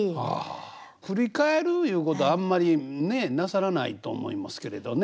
振り返るいうことあんまりねなさらないと思いますけれどね。